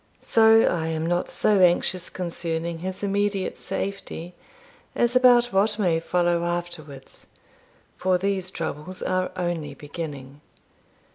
So I am not so anxious concerning his immediate safety as about what may follow afterwards, for these troubles are only beginning.